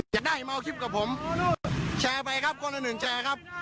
จะได้มาเอาคลิปกับผมแชร์ไปครับคนอื่นแชร์ครับ